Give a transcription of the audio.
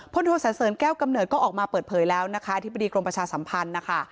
โทษสันเสริญแก้วกำเนิดก็ออกมาเปิดเผยแล้วนะคะอธิบดีกรมประชาสัมพันธ์นะคะ